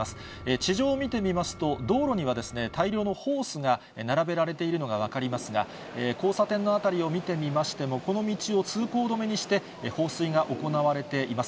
地上を見てみますと、道路には大量のホースが並べられているのが分かりますが、交差点の辺りを見てみましても、この道を通行止めにして放水が行われています。